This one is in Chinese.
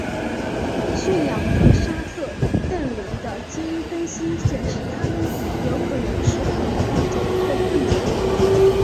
驯养的沙特瞪羚的基因分析显示它们有可能是不同的物种或混种。